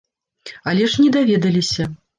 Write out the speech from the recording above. Але ж не даведаліся.